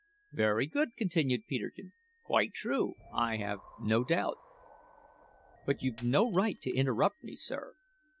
"Very good," continued Peterkin; "quite true, I have no doubt. But you've no right to interrupt me, sir.